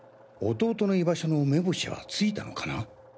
弟の居場所の目星はついたのかな？